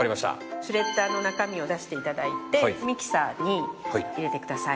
シュレッターの中身を出していただいてミキサーに入れてください。